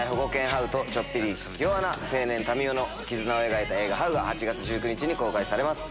ハウとちょっぴり気弱な青年民夫の絆を描いた映画『ハウ』が８月１９日に公開されます。